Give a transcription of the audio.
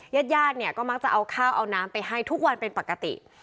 ญาติญาติเนี่ยก็มักจะเอาข้าวเอาน้ำไปให้ทุกวันเป็นปกติ